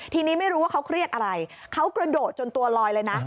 ทีนี้ไม่รู้ว่าเขาเครียดอะไรเขากระโดดจนตัวลอยเลยนะ